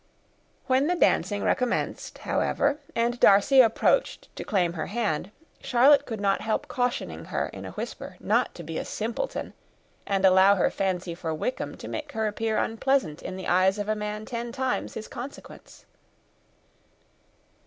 When the dancing recommenced, however, and Darcy approached to claim her hand, Charlotte could not help cautioning her, in a whisper, not to be a simpleton, and allow her fancy for Wickham to make her appear unpleasant in the eyes of a man often times his consequence.